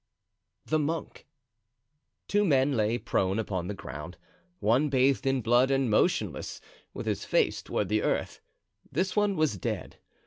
The Monk. Two men lay prone upon the ground, one bathed in blood and motionless, with his face toward the earth; this one was dead.